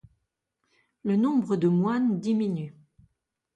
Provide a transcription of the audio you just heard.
Le nombre de moines diminue.